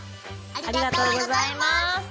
ありがとうございます。